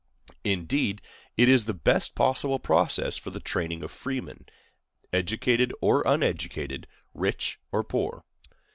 Indeed, it is the best possible process for the training of freemen, educated or uneducated, rich or poor.